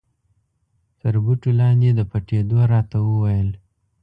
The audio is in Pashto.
تر بوټو لاندې د پټېدو را ته و ویل.